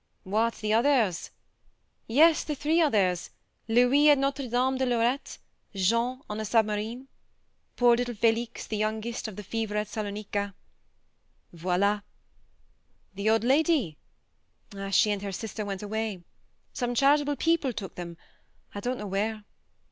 ... What, the others ?... Yes : the three others Louis at Notre Dame de THE MARNE 71 Lorette ; Jean on a submarine : poor little Felix, the youngest, of the fever at Salonika. Voila. ... The old lady ? Ah, she and her sister went away ... some charitable people took them, I don't know where.